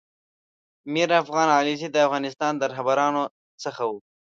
میر افغان علیزی دافغانستان د رهبرانو څخه و